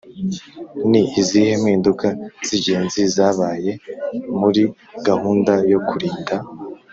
Ni izihe mpinduka z ingenzi zabaye muri gahunda yo Kurinda